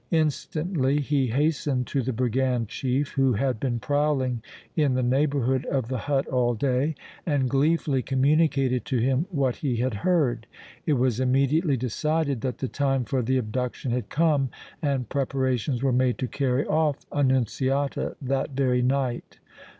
Instantly he hastened to the brigand chief, who had been prowling in the neighborhood of the hut all day, and gleefully communicated to him what he had heard. It was immediately decided that the time for the abduction had come and preparations were made to carry off Annunziata that very night.